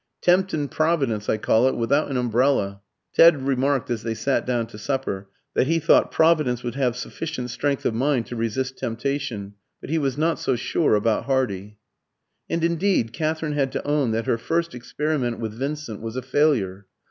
Temptin' Providence, I call it, without an umbrella." Ted remarked, as they sat down to supper, that he thought "Providence would have sufficient strength of mind to resist temptation; but he was not so sure about Hardy." And indeed Katherine had to own that her first experiment with Vincent was a failure.